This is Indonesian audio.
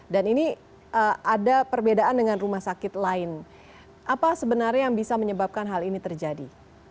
dan ini ada perbedaan dengan rumah sakit lain apa sebenarnya yang bisa menyebabkan hal ini terjadi